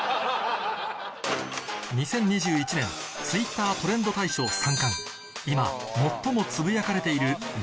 ２０２１年Ｔｗｉｔｔｅｒトレンド大賞３冠今最もつぶやかれているＮｏ．１